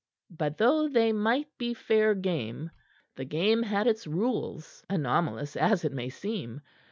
But though they might be fair game, the game had its rules anomalous as it may seem.